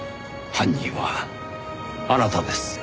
犯人はあなたです。